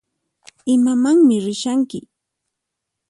Imamanmi rishanki?